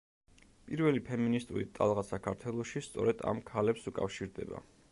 პირველი ფემინისტური ტალღა საქართველოში სწორედ ამ ქალებს უკავშირდება.